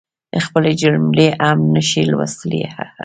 خپلي جملی هم نشي لوستلی هههه